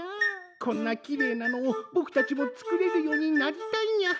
こんなきれいなのをぼくたちも作れるようになりたいにゃ。